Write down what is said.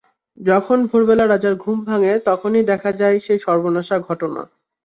যখন ভোরবেলা রাজার ঘুম ভাঙে, তখনি দেখা যায় সেই সর্বনাশা ঘটনা।